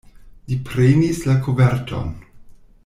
Li prenis la koverton.